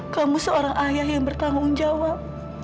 kamu seorang ayah yang bertanggung jawab